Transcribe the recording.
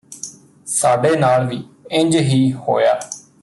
ਸਾਡੇ ਨਾਲ ਵੀ ਇੰਜ ਹੀ ਹੋਇਆ